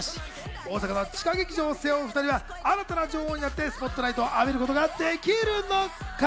大阪の地下劇場を背負う２人は、新たな女王になって、スポットライトを浴びることができるのか？